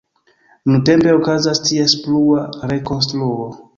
Nuntempe okazas ties plua rekonstruo.